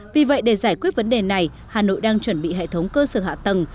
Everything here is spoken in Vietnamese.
vì vậy để giải quyết vấn đề này hà nội đang chuẩn bị hệ thống cơ sở hạ tầng